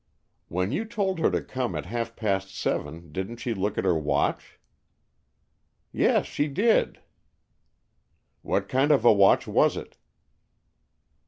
"When you told her to come at half past seven, didn't she look at her watch?" "Yes, she did!" "What kind of a watch was it?"